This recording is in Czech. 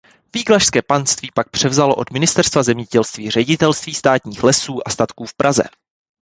Víglašské panství pak převzalo od Ministerstva zemědělství Ředitelství státních lesů a statků v Praze.